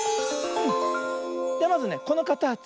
ではまずねこのかたち